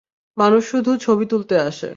মানুষ শুধু ছবি তুলতে আসে।